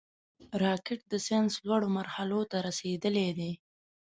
راکټ د ساینس لوړو مرحلو ته رسېدلی دی